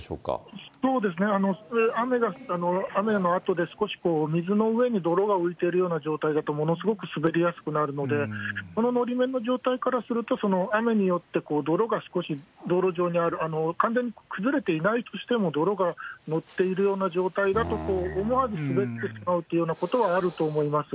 そうですね、雨のあとで、少し水の上に泥が浮いてるような状態だと、ものすごく滑りやすくなるので、あののり面の状況からすると、雨によって泥が少し道路上に、完全に崩れていないとしても、泥が載っているような状態だと、思わず滑ってしまうというようなことはあると思います。